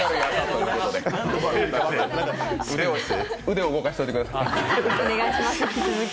腕を動かしといてください。